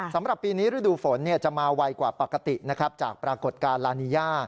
สำหรับปีนี้ฤดูฝนจะมาไวกว่าปกตินะครับจากปรากฏการณ์ลานีย่า